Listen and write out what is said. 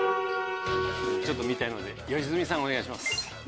ちょっと見たいので良純さんお願いします。